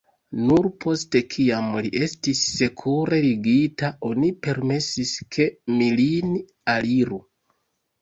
Nur post kiam li estis sekure ligita oni permesis ke mi lin aliru.